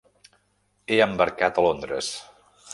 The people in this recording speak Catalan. He embarcat a Londres.